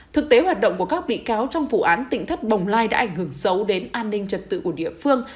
thực tế hoạt động của các bị cáo trong vụ án tỉnh thất bồng lai đã ảnh hưởng xấu đến an ninh trật tự của địa phương